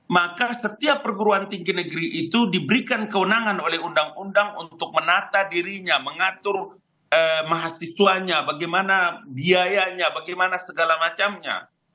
maka setiap perguruan tinggi negeri itu diberikan kewenangan oleh undang undang untuk menata dirinya mengatur mahasiswanya bagaimana biayanya bagaimana segala macamnya